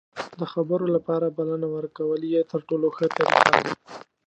د خبرو لپاره بلنه ورکول یې تر ټولو ښه طریقه ده.